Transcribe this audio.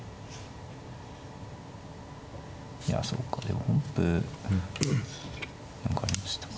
いやそうかでも本譜何かありましたか。